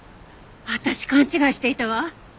私勘違いしていたわ！